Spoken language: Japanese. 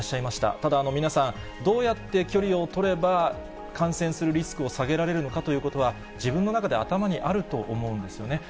ただ皆さん、どうやって距離を取れば感染するリスクを下げられるのかということは、自分の中で頭にあると思うんですよね。